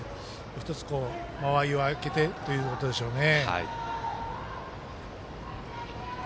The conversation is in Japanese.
１つ間合いをあけてということでしょうね。